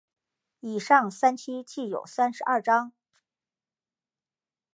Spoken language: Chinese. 以上三期计有三十二章。